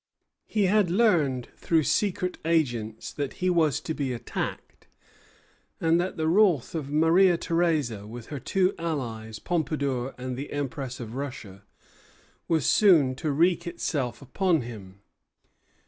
He had learned through secret agents that he was to be attacked, and that the wrath of Maria Theresa with her two allies, Pompadour and the Empress of Russia, was soon to wreak itself upon him.